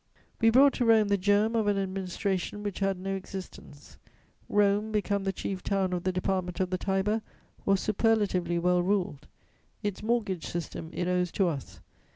"] We brought to Rome the germ of an administration which had no existence; Rome, become the chief town of the Department of the Tiber, was superlatively well ruled. Its mortgage system it owes to us.